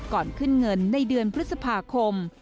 ก่อนขึ้นเงินในเดือนพฤษภาคม